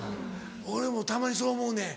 俺もたまにそう思うねん。